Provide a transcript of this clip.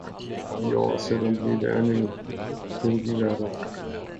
Ja, sedan blir det ännu kinkigare.